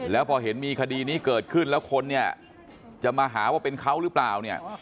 และพอเห็นมีคดีนี้เกิดขึ้นแล้วคนจะมาหาว่าเป็นเขาหรือเปล่า